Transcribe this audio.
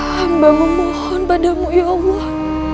hamba memohon padamu ya allah